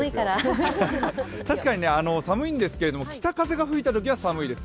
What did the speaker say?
確かに寒いんですけれども、北風が吹いたときは寒いです。